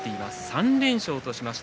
３連勝としました。